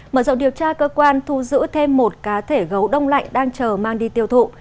mở rộng điều tra cơ quan thu giữ thêm một cá thể gấu đông lạnh đang chờ mang đi tiêu thụ